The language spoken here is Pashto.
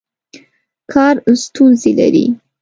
کار ستونزې لري.